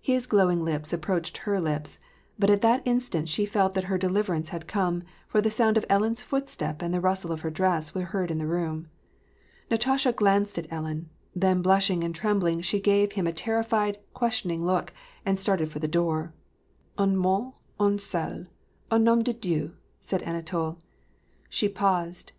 His glowing lips approached her lips — but at that instant she felt that her deliverance had come, for the sound of Ellen's footsteps and rustle of her dress were heard in the room. Natasha glanced at Ellen ; then, blushing and trembling, she gave him a terrified, questioning look, and started for the door. '^ Un motf un seuly au nam de Dieu^^ said Anatol. She paused.